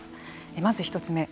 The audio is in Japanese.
まず１つ目。